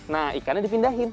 nah ikannya dipindahin